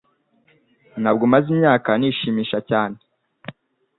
Ntabwo maze imyaka nishimisha cyane